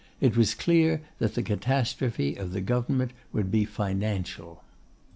It was clear that the catastrophe of the government would be financial.